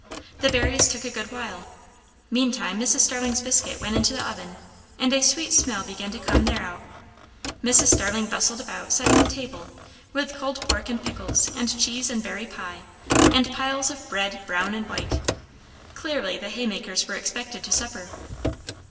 The berries took a good while. Meantime Mrs. Starling's biscuit went into the oven, and a sweet smell began to come thereout. Mrs. Starling bustled about setting the table; with cold pork and pickles, and cheese and berry pie, and piles of bread brown and white. Clearly the haymakers were expected to supper.